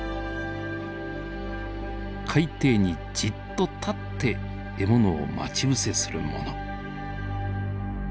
海底にじっと立って獲物を待ち伏せするもの。